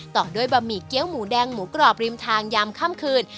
ต่อด้วยบะหมี่เกี้ยวหมูแดงหมูกรอบริมทางยามค่ำคืน